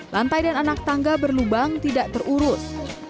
lantai dan anak tangga berlubang tidak terurus